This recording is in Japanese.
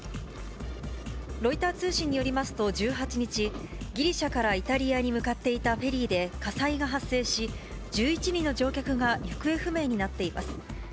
ロイター通信によりますと、１８日、ギリシャからイタリアに向かっていたフェリーで火災が発生し、１１人の乗客が行方不明になっています。